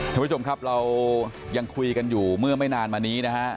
ท่านผู้ชมครับเรายังคุยกันอยู่เมื่อไม่นานมานี้นะฮะ